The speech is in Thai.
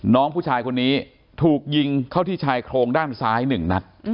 น้องผู้ชายคนนี้ถูกยิงเข้าที่ชายโครงด้านซ้าย๑นัด